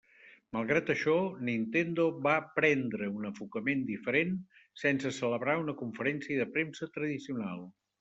Malgrat això, Nintendo va prendre un enfocament diferent sense celebrar una conferència de premsa tradicional.